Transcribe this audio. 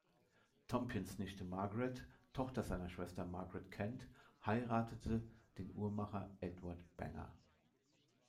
Tompion’s Nichte Margaret, Tochter seiner Schwester Margaret Kent, heiratete den Uhrmacher Edward Banger.